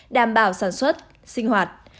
đảm bảo sản xuất sinh hoạt